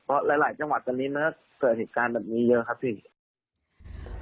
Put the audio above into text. เพราะหลายจังหวัดตอนนี้มันก็เกิดเหตุการณ์แบบนี้เยอะครับพี่